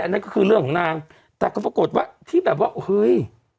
นั่นก็คือเรื่องของนางแต่ก็ปรากฏว่าที่แบบว่าเฮ้ย